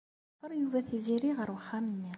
Yeḍfeṛ Yuba Tiziri ɣer wexxam-nni.